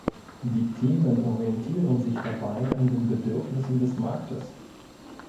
Die Themen orientieren sich dabei an den Bedürfnissen des Marktes.